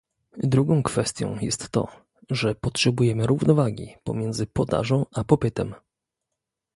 Drugą kwestią jest to, że potrzebujemy równowagi pomiędzy podażą a popytem